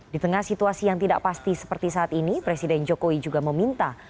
di tengah situasi yang tidak pasti seperti saat ini presiden jokowi juga meminta